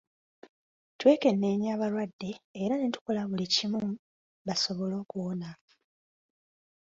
Twekenneenya abalwadde era ne tukola buli kimu basobole okuwona.